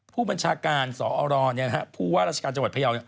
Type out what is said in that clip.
ผู้บัญชาการสอรผู้ว่าราชการจังหวัดพยาว